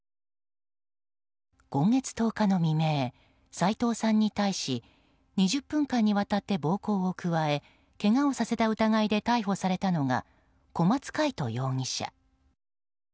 今月１０日の未明斎藤さんに対し２０分間にわたって暴行を加え、けがをさせた疑いで逮捕されたのが小松魁人容疑者。